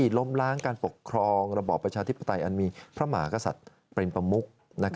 ล้มล้างการปกครองระบอบประชาธิปไตยอันมีพระมหากษัตริย์เป็นประมุก